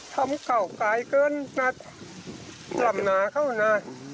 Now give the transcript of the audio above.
ทำเก่ากายเกินลำหนาเขานะ